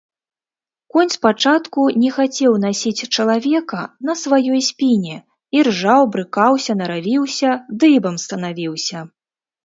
Конь спачатку не хацеў насіць чалавека на сваёй спіне, іржаў, брыкаўся, наравіўся, дыбам станавіўся.